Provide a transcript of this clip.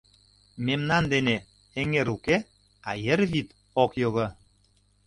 Мемнан дене эҥер уке, а ер вӱд ок його.